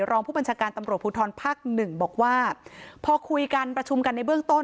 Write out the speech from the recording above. รองผู้บัญชาการตำรวจภูทรภาคหนึ่งบอกว่าพอคุยกันประชุมกันในเบื้องต้น